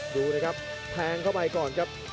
ดูนะครับแทงเข้าไปก่อนครับ